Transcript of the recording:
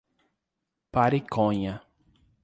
Pariconha